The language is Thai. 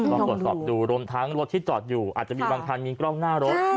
ลองตรวจสอบดูรวมทั้งรถที่จอดอยู่อาจจะมีบางคันมีกล้องหน้ารถ